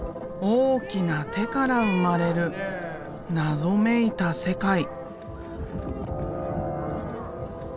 大きな手から生まれる謎めいた世界。